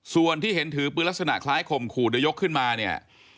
ส่วนที่เห็นถือปืนลักษณะคล้ายข่มขู่เดี๋ยวยกขึ้นมาเนี่ย